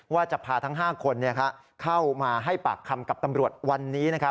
ว่าจะพาทั้ง๕คนให้ปากคำมาให้กับตำรวจวันนี้